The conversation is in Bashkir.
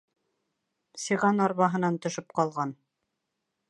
Сиған арбаһынан төшөп ҡалған.